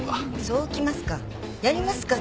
そうきますか？